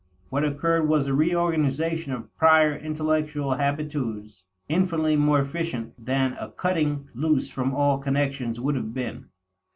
What occurred was a reorganization of prior intellectual habitudes, infinitely more efficient than a cutting loose from all connections would have been.